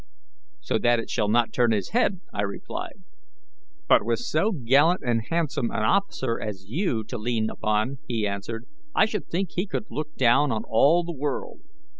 "'So that it shall not turn his head,' I replied. "'But with so gallant and handsome an officer as you to lean upon,' he answered, 'I should think he could look down on all the world.'